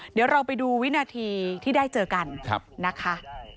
เดี๋ยวเราไปดูวินาทีที่ได้เจอกันนะคะ